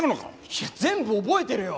いや全部覚えてるよ！